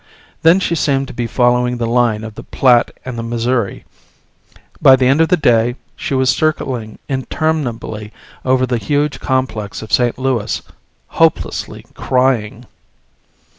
Then she seemed to be following the line of the Platte and the Missouri. By the end of the day she was circling interminably over the huge complex of St. Louis, hopelessly crying.